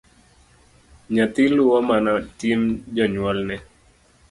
Nyathi luwo mana tim janyuolne.